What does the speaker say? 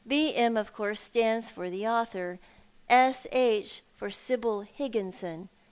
B. M., of course, stands for the author; S. H., for Sibyl Higginson.